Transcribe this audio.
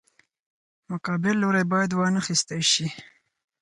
مقابل لوری باید وانخیستی شي.